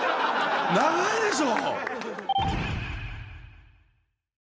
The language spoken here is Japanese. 長いでしょ！